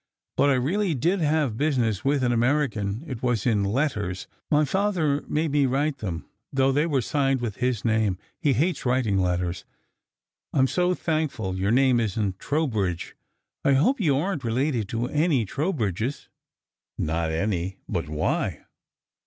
"But I really did have business with an American. It was in letters. My father made me write them, though they were signed with his name. He hates writing letters. I m so thankful your name isn t Trowbridge. I hope you aren t related to any Trowbridges? "" Not one. But why?